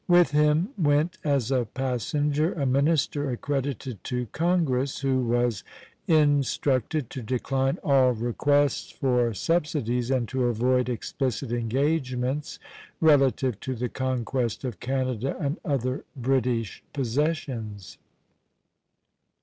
With him went as a passenger a minister accredited to Congress, who was instructed to decline all requests for subsidies, and to avoid explicit engagements relative to the conquest of Canada and other British possessions.